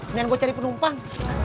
nih gue cari penumpang